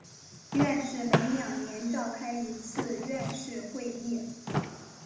院士每两年召开一次院士会议。